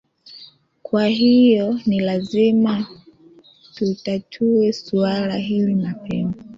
kwa hiyo ni lazima tutatue suala hili mapema